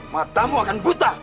matamu akan buta